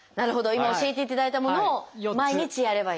今教えていただいたものを毎日やればいい？